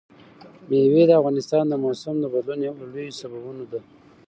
مېوې د افغانستان د موسم د بدلون یو له لویو سببونو ده.